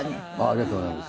ありがとうございます。